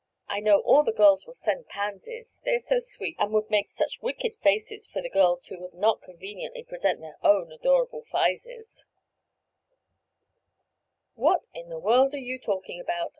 I know all the girls will send pansies—they are so sweet, and would make such wicked faces for the girls who could not conveniently present their own adorable 'phizes'!" "What in the world are you talking about?"